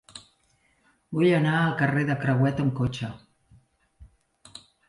Vull anar al carrer de Crehuet amb cotxe.